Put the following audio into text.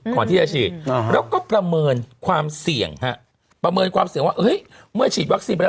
ก่อนที่จะฉีดแล้วก็ประเมินความเสี่ยงฮะประเมินความเสี่ยงว่าเฮ้ยเมื่อฉีดวัคซีนไปแล้ว